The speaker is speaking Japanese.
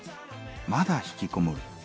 まだひきこもる。